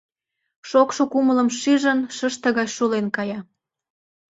Шокшо кумылым шижын, шыште гай шулен кая.